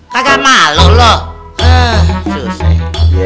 kagak malu lo eh susah ya